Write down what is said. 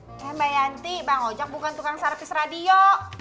eh mbak yanti bang ojak bukan tukang service radio